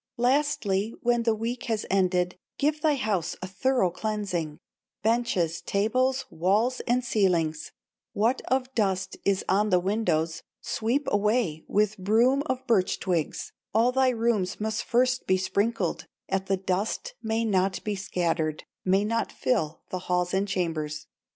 "Lastly, when the week has ended, Give thy house a thorough cleansing, Benches, tables, walls, and ceilings; What of dust is on the windows, Sweep away with broom of birch twigs, All thy rooms must first be sprinkled, That the dust may not be scattered, May not fill the halls and chambers.